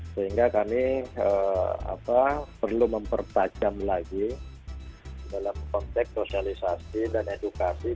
sehingga kami perlu mempertajam lagi dalam konteks sosialisasi dan edukasi